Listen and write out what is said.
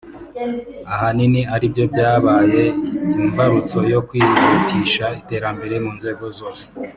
ahanini aribyo byabaye imbarutso yo kwihutisha iterambere mu nzego zose